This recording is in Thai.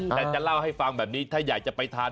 แต่จะเล่าให้ฟังแบบนี้ถ้าอยากจะไปทาน